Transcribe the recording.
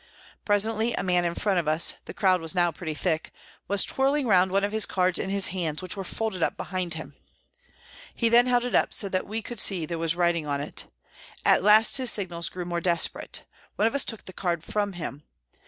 Presently a man in front of us the crowd now was pretty thick was twirling round one of his cards in his hands which were folded behind him. He then held it up, so that we could see there was writing on it. At last his signals grew more desperate. One of us took the card from him.